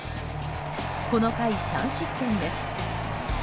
この回、３失点です。